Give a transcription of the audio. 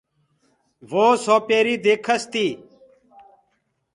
وو سوپيري ديکس تي۔